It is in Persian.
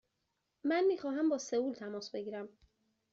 من می خواهم با سئول تماس بگیرم.